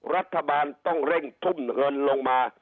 รัฐบาลต้องเร่งทุ่มเงินลงมา